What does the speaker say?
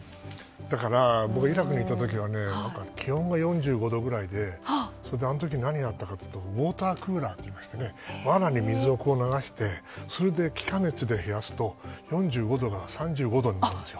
だから僕イラクに行った時は気温が４５度ぐらいであの時、何があったかというとウォータークーラーっていうのがありましてわらに水を流してそれで気化熱で冷やすと４５度が３５度になるんです。